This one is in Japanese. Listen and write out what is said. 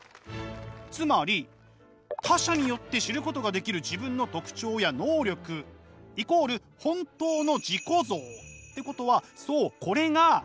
つまり他者によって知ることができる自分の特徴や能力イコール本当の自己像。ってことはそうこれが「自律」なんです！